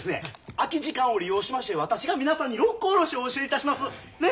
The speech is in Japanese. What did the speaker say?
空き時間を利用しまして私が皆さんに「六甲おろし」をお教えいたします。ね！